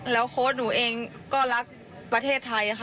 โค้ชหนูเองก็รักประเทศไทยค่ะ